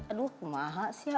aduh kumaha sih ya